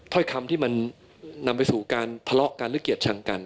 ถ้อยคำที่มันนำไปสู่การพละลอกการลึกเกียจชั้นกัน